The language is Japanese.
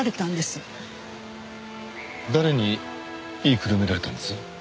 誰に言いくるめられたんです？